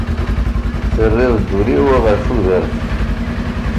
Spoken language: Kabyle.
terriḍ-d ul-iw ɣer tudert.